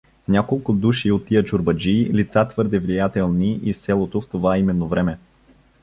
Няколко души от тия чорбаджии, лица твърде влиятелни из селото в това именно време.